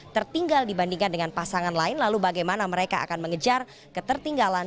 tertinggal dibandingkan dengan pasangan lain lalu bagaimana mereka akan mengejar ketertinggalan